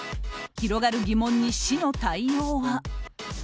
広がる疑問に市の対応は。